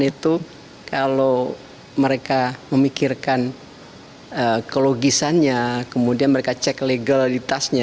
itu kalau mereka memikirkan kelogisannya kemudian mereka cek legalnya kemudian mereka cek legalnya